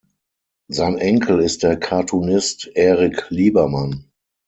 Sein Enkel ist der Cartoonist Erik Liebermann.